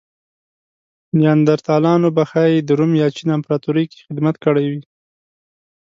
نیاندرتالانو به ښايي د روم یا چین امپراتورۍ کې خدمت کړی وی.